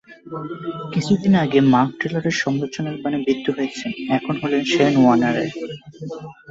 কিছুদিন আগে মার্ক টেলরের সমালোচনার বানে বিদ্ধ হয়েছেন, এখন হলেন শেন ওয়ার্নের।